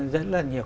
rất là nhiều